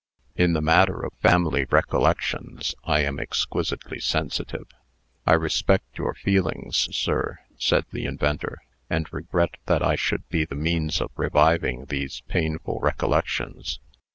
In the matter of family recollections, I am exquisitely sensitive." "I respect your feelings, sir," said the inventor, "and regret that I should be the means of reviving these painful recollections.